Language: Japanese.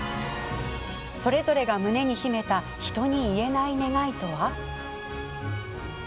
それぞれが胸に秘めた人に言えない願いとは。